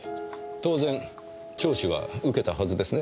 当然聴取は受けたはずですね。